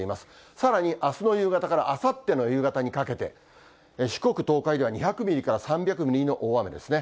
さらにあすの夕方からあさっての夕方にかけて、四国、東海では２００ミリから３００ミリの大雨ですね。